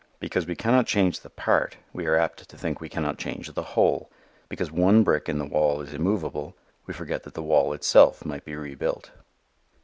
Because we cannot change the part we are apt to think we cannot change the whole. Because one brick in the wall is immovable, we forget that the wall itself might be rebuilt.